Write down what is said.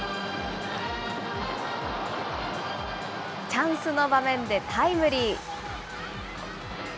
チャンスの場面でタイムリー。